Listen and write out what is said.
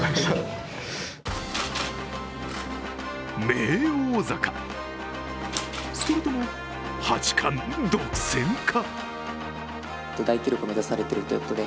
名誉王座か、それとも八冠独占か。